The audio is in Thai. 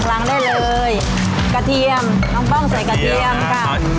ล้างได้เลยกระเทียมน้องป้องใส่กระเทียมค่ะ